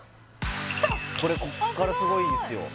これこっからすごいんですよ